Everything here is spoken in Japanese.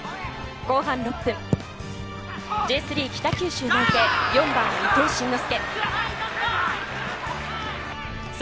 後半６分、Ｊ３北九州内定、４番・伊東進之輔。